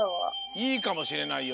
いいかもしれないよ。